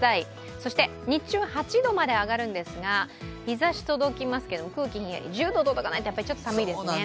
そして日中は８度まで上がるんですが、日ざしは届きますけど空気ヒンヤリ、１０度届かないとちょっと寒いですね。